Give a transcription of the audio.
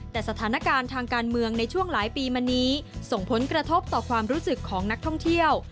แต่สถานการณ์ทางการเมืองในช่วงหลายปีมานี้ส่งผลกระทบต่อความรู้สึกของนักท่องเที่ยว